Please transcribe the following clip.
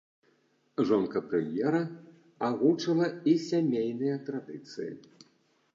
Жонка прэм'ера агучыла і сямейныя традыцыі.